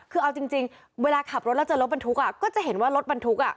คือเอาจริงเวลาขับรถแล้วเจอรถบรรทุกอ่ะก็จะเห็นว่ารถบรรทุกอ่ะ